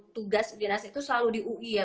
tugas di nasi itu selalu di ui ya